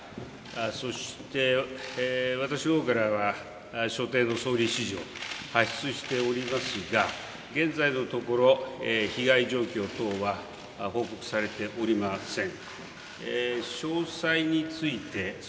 そして私の方からは発出されておりますが、現在のところ、被害状況等は報告されておりません。